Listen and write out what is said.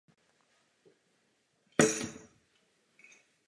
A právě to Albánie naléhavě potřebuje.